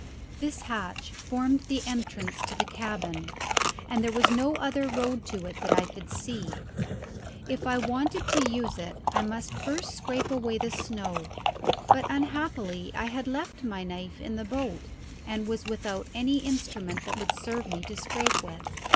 This hatch formed the entrance to the cabin, and there was no other road to it that I could see. If I wanted to use it I must first scrape away the snow; but unhappily I had left my knife in the boat, and was without any instrument that would serve me to scrape with.